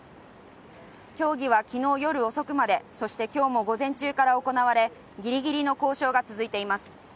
協議はきのう夜遅くまでそして今日も午前中から行われぎりぎりの交渉が続いています